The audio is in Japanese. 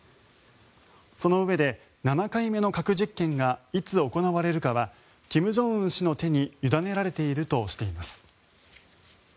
そのうえで７回目の核実験がいつ行われるかは金正恩氏の手に委ねられているとしています。